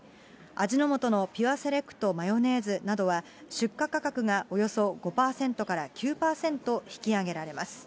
味の素のピュアセレクトマヨネーズなどは、出荷価格がおよそ５％から９％引き上げられます。